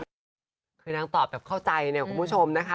คือนางตอบแบบเข้าใจเนี่ยคุณผู้ชมนะคะ